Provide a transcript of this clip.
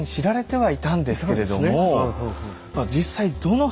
はい！